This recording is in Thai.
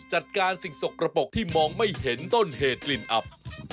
จัดการสิ่งสกระปกที่มองไม่เห็นต้นเหตุกลิ่นอับ